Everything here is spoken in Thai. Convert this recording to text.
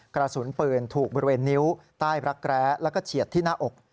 กระสุนปืนถูกบริเวณนิ้วใต้รักแร้แล้วก็เฉียดที่หน้าอก